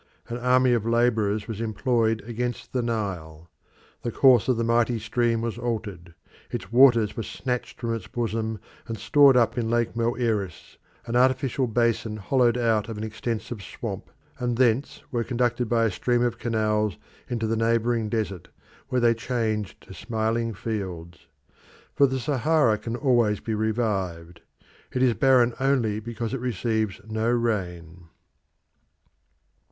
An army of labourers was employed against the Nile. The course of the mighty stream was altered; its waters were snatched from its bosom and stored up in Lake Moeris, an artificial basin hollowed out of an extensive swamp, and thence were conducted by a system of canals into the neighbouring desert, which they changed to smiling fields. For the Sahara can always be revived. It is barren only because it receives no rain.